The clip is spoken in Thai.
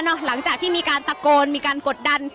หลังจากที่มีการตะโกนมีการกดดัน